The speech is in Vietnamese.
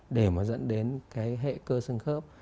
để mà dẫn đến cái hệ cơ xương khớp